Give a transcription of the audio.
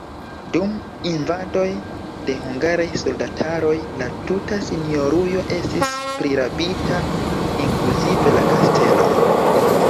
Dum invadoj de hungaraj soldataroj la tuta sinjorujo estis prirabita, inkluzive la kastelon.